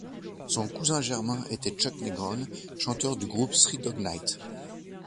Son cousin germain était Chuck Negron, chanteur du groupe Three Dog Night.